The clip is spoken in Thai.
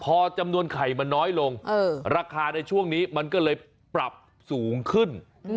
พอจำนวนไข่มันน้อยลงราคาในช่วงนี้มันก็เลยปรับสูงขึ้น